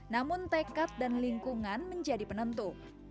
namun tekad dan lingkungan menjadi penentu